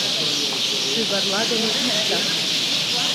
Шӱгарла дене иктак.